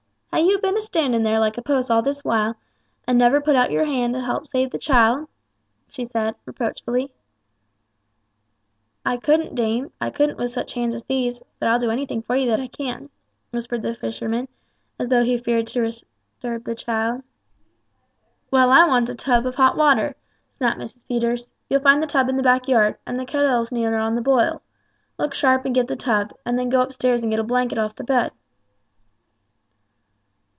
"Ha' you been a standing there like a post all this while, and never put out yer hand to help save the child?" she said, reproachingly. "I couldn't, dame, I couldn't with such hands as these; but I'll do anything for you that I can," whispered the fisherman, as though he feared to disturb the child. "Well, I want a tub of hot water," snapped Mrs. Peters. "You'll find the tub in the backyard, and the kettle's near on the boil. Look sharp and get the tub, and then go upstairs and get a blanket off the bed."